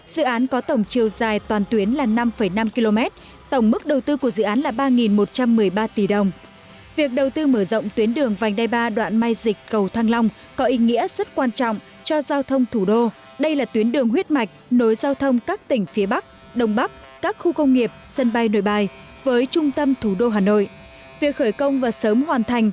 dự án đầu tư mở rộng đường vành đai ba đoạn mai dịch cầu thăng long có diện tích sử dụng đất khoảng ba mươi chín hai ha qua địa bàn phường mai dịch